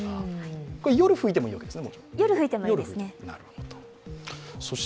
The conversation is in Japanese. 夜吹いてもいいですね。